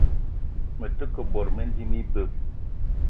Me te ke bot mendim ibeu.